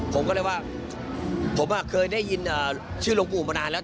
ผมก็เลยว่าผมเคยได้ยินชื่อหลวงปู่มานานแล้ว